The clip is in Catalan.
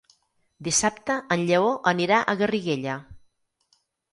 Dissabte en Lleó anirà a Garriguella.